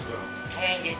早いです。